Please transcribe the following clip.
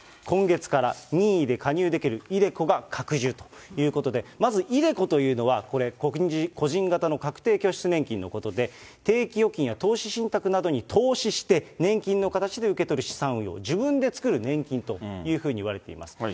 今月から任意で加入できるｉＤｅＣｏが拡充ということで、まずｉＤｅＣｏというのは、これ、個人型の確定拠出年金のことで、定期預金や投資信託などに投資して、年金の形で受け取る資産運用、自分で作る年金というふうに言われています。